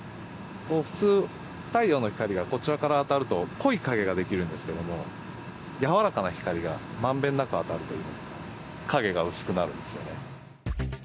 普通太陽の光がこちらから当たると濃い影が出来るんですけどもやわらかな光がまんべんなく当たるといいますか影が薄くなるんですよね。